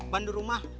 ban di rumah